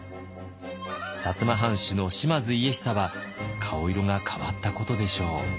摩藩主の島津家久は顔色が変わったことでしょう。